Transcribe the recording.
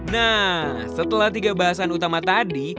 nah setelah tiga bahasan utama tadi